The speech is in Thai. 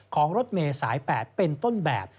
ของรถเมษาย๘เป็นต้นแบบ